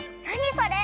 それ！